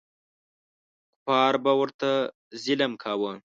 کفار به ورته ظلم کاوه.